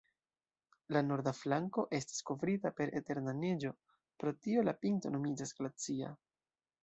La norda flanko estas kovrita per eterna neĝo, pro tio la pinto nomiĝas glacia.